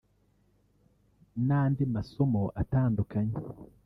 n’andi masomo atandukanye